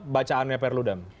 bacaannya perlu dam